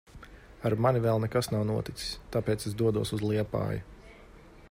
Ar mani vēl nekas nav noticis. Tāpēc es dodos uz Liepāju.